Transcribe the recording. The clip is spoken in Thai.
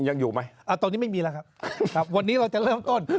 ยังอยู่ไหมตอนนี้ไม่มีแล้วครับวันนี้เราจะเริ่มต้น